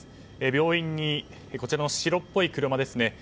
病院にこちらの白っぽい車ですね。